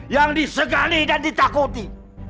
yang disegali dan ditakuti